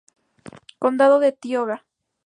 Condado de Tioga